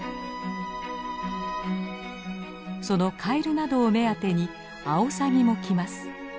そのカエルなどを目当てにアオサギも来ます。